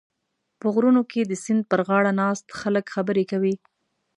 په غرونو کې د سیند پرغاړه ناست خلک خبرې کوي.